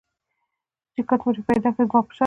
چي کټ مټ یې پیدا کړی زما په شان یې